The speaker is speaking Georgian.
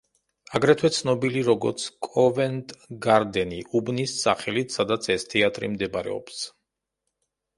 აგრეთვე ცნობილი როგორც კოვენტ გარდენი, უბნის სახელით, სადაც ეს თეატრი მდებარეობს.